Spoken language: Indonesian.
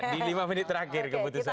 di lima menit terakhir keputusan